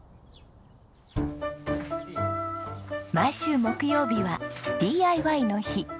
毎週木曜日はＤＩＹの日。